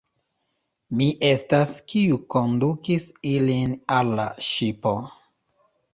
Mi estas, kiu kondukis ilin al la ŝipo.